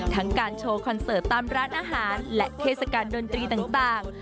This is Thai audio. การโชว์คอนเสิร์ตตามร้านอาหารและเทศกาลดนตรีต่าง